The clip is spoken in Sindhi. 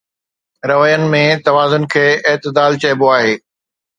روين ۾ توازن کي اعتدال چئبو آهي